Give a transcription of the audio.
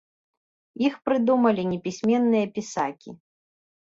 Іх прыдумалі непісьменныя пісакі.